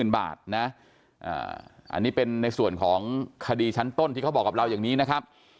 อันนี้เป็นในส่วนของคดีชั้นต้นที่เขาบอกกับเราอย่างนี้นะครับ